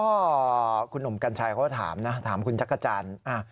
ก็คุณหนุ่มกัญชัยเขาก็ถามนะถามคุณจักรจันทร์